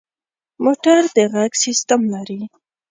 موټر د غږ سیسټم لري.